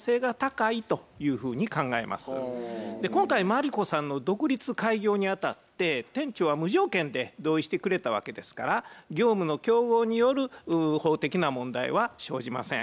今回マリコさんの独立開業にあたって店長は無条件で同意してくれたわけですから業務の競合による法的な問題は生じません。